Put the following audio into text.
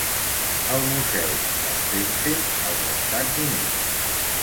El Museu de Springfield als Estats Units.